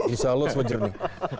insya allah selalu jernih